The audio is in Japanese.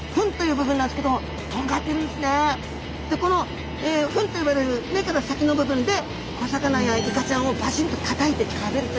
あの鼻でこの吻と呼ばれる目から先の部分で小魚やイカちゃんをバシンとたたいて食べるという。